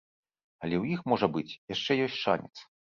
Але ў іх, можа быць, яшчэ ёсць шанец.